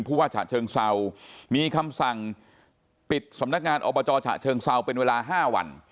ว่าฉะเชิงเศร้ามีคำสั่งปิดสำนักงานอบจฉะเชิงเซาเป็นเวลา๕วัน